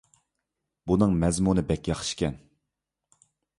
بۇنىڭ مەزمۇنى بەك ياخشىكەن.